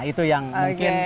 itu yang mungkin